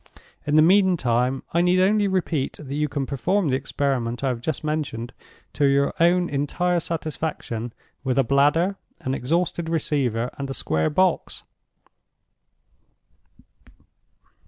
In the meantime I need only repeat that you can perform the experiment I have just mentioned to your own entire satisfaction with a bladder, an exhausted receiver, and a square box.